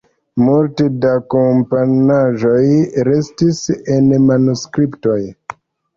Multe da komponaĵoj restis en manuskriptoj.